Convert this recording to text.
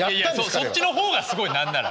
そっちの方がすごい何なら。